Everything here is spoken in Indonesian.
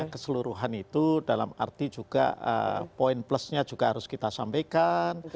keseluruhan itu dalam arti juga poin plusnya juga harus kita sampaikan